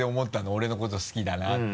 「俺のこと好きだな」って。